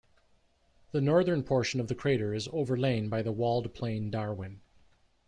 The northern portion of the crater is overlain by the walled plain Darwin.